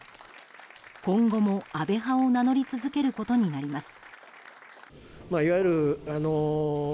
今後も安倍派を名乗り続けることになります。